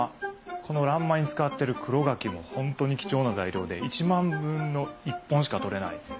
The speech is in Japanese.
この欄間に使ってる黒柿も本当に貴重な材料で一万分の一本しかとれないんです。